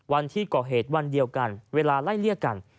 วันที่ก่อเหตุวันเดียวกันเวลาไล่เลี่ยกัน